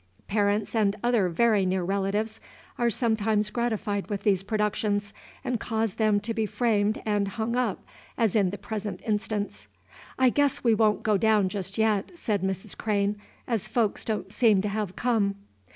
Parents and other very near relatives are sometimes gratified with these productions, and cause them to be framed and hung up, as in the present instance. "I guess we won't go down jest yet," said Mrs. Crane, "as folks don't seem to have come."